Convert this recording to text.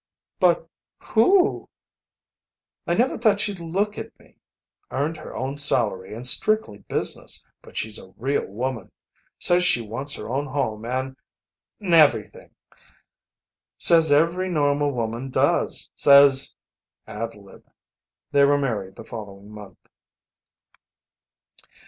"But who ?" "I never thought she'd look at me. Earned her own good salary, and strictly business, but she's a real woman. Says she wants her own home an 'n everything. Says every normal woman does. Says " Ad lib. They were married the following month.